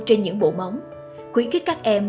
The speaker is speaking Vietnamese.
trên những bộ móng khuyến khích các em